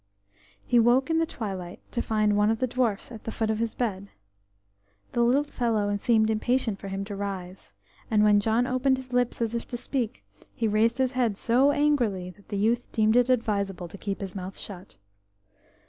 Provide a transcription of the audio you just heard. He woke in the twilight to find one of the dwarfs at the foot of his bed. The little fellow seemed impatient for him to rise, and when John opened his lips as if to speak, he raised his head so angrily that the youth deemed it advisable to keep his mouth shut.